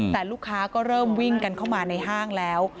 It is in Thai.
แต่ลูกค้าก็เริ่มวิ่งกันเข้ามาในห้างแล้ว